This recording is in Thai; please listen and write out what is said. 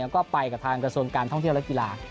ก็ไปกับทางกระทรวงการท่องเที่ยวและกีฬา